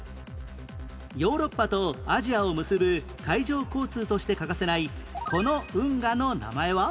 ヨーロッパとアジアを結ぶ海上交通として欠かせないこの運河の名前は？